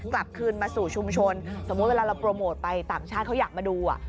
กลับคืนมาสู่ชุมชนสมมุติเวลาเราโปรโมทไปต่างชาติเขาอยากมาดู